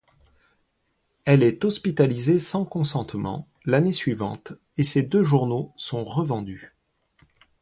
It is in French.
Elle est hospitalisée sans consentement l'année suivante et ses deux journaux sont revendus.